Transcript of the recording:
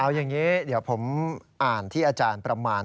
เอาอย่างนี้เดี๋ยวผมอ่านที่อาจารย์ประมาณ